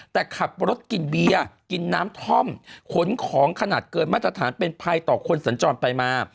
แต่ขับรถกินเบียร์กินน้ำท่อมขนของขนาดเกินมาตรฐานเป็นภัยต่อคนสัญจรไปมา